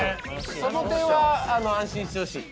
その点は安心してほしい。